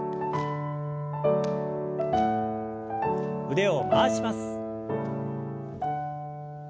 腕を回します。